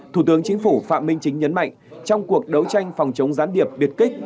thủ tướng chính phủ phạm minh chính nhấn mạnh trong cuộc đấu tranh phòng chống gián điệp biệt kích